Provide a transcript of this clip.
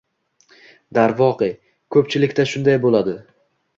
Darvoqe, koʻpchilikda shunday boʻladi.